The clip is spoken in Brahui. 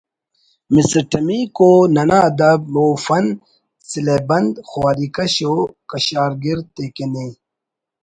مسٹمیکو ننا ادب و فن سلہہ بند خواری کش و کشارگر تے کن ءِ